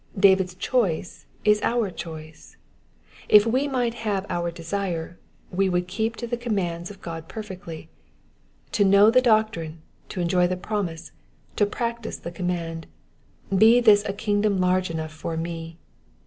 David's choice is our choice. If we might have our desire, we would desire to keep the commands of God perfectly. To know the doctrine, to enjoy the promise, to practise the command, — be this a kingdom large enough for me.